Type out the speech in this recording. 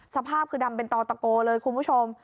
สภาพคือดำเป็นต่อตะโกเลยคุณผู้ชม